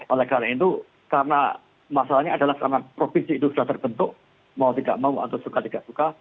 oleh karena itu karena masalahnya adalah karena provinsi itu sudah terbentuk mau tidak mau atau suka tidak suka